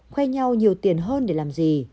khoe nhau nhiều tiền hơn để làm gì